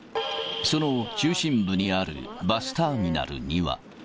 その中心部にあるバスターミナルには。